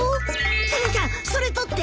タラちゃんそれ取って！